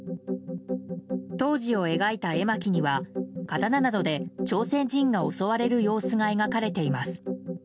当時を描いた絵巻には刀などで朝鮮人が襲われる様子が描かれています。